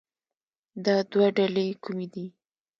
دا دوه ډلې کومې دي